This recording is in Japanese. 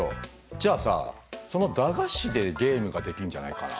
じゃあさその駄菓子でゲームができるんじゃないかな？